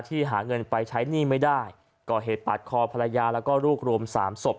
หาเงินไปใช้หนี้ไม่ได้ก่อเหตุปาดคอภรรยาแล้วก็ลูกรวมสามศพ